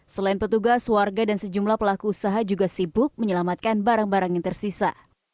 selain petugas warga dan sejumlah pelaku usaha juga sibuk menyelamatkan barang barang yang tersisa